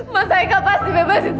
mas haikal pasti bebasin saya